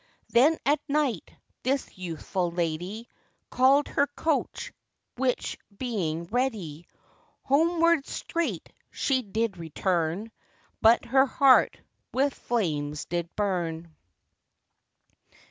Then, at night, this youthful lady Called her coach, which being ready, Homewards straight she did return; But her heart with flames did burn.